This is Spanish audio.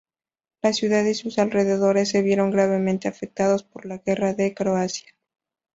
La ciudad y sus alrededores se vieron gravemente afectados por la Guerra de Croacia.